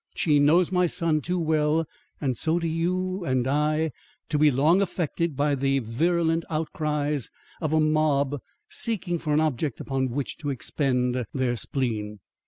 She knows my son too well, and so do you and I, to be long affected by the virulent outcries of a mob seeking for an object upon which to expend their spleen."